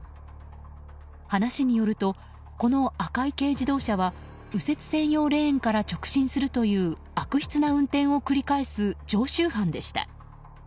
話によると、この赤い軽自動車は右折専用レーンから直進するという悪質な運転を繰り返す常習犯でした。